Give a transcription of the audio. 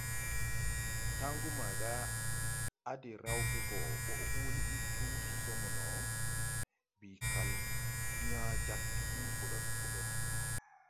Tangu maga à de raw ge go ɓoʼ huuli ɓi tu so mo, bii kal yaa jag gesiŋ ɓodoɗ ɓodoɗ.